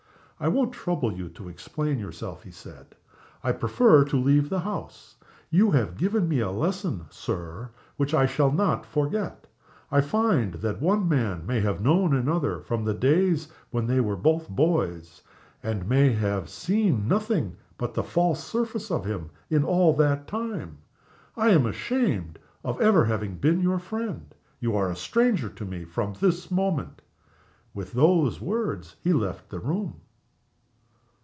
"I won't trouble you to explain yourself," he said. "I prefer to leave the house. You have given me a lesson, Sir, which I shall not forget. I find that one man may have known another from the days when they were both boys, and may have seen nothing but the false surface of him in all that time. I am ashamed of having ever been your friend. You are a stranger to me from this moment." With those words he left the room.